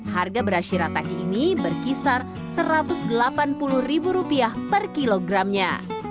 harga beras shirataki ini berkisar rp satu ratus delapan puluh per kilogramnya